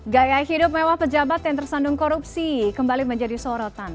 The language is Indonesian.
gaya hidup mewah pejabat yang tersandung korupsi kembali menjadi sorotan